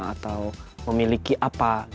atau memiliki apa